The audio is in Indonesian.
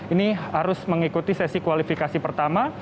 ini harus mengikuti sesi kualifikasi pertama